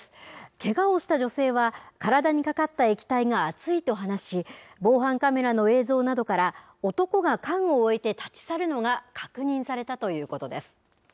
けがをした女性は、体にかかった液体が熱いと話し、防犯カメラの映像などから、男が缶を置いて立ち去るのが確認されたということです。